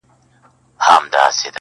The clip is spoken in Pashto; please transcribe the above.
څوك به اوښكي تويوي پر مينانو؛